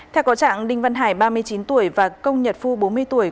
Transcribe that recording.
theo có trạng đinh văn hải ba mươi chín tuổi và công nhật phu bốn mươi tuổi